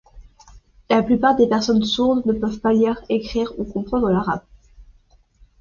La plupart des personnes sourdes ne peuvent pas lire, écrire ou comprendre l'arabe.